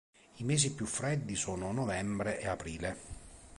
I mesi più freddi sono novembre e aprile.